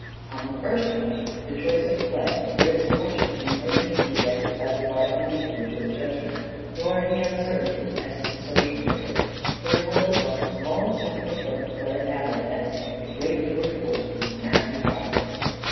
On the first point, the choice of play, there is fortunately no need for the exercise of our own individual judgment, nor any uncertainty as to the social verdict ; for the world at large has long since proclaimed the play of " Hamlet " as the great tour de force of this master dramatist.